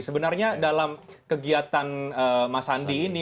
sebenarnya dalam kegiatan mas andi ini